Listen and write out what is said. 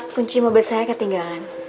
kunci mobil saya ketinggalan